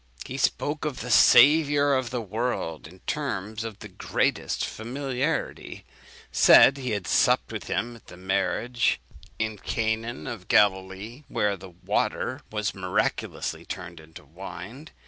He spoke of the Saviour of the world in terms of the greatest familiarity; said he had supped with him at the marriage in Canaan of Galilee, where the water was miraculously turned into wine.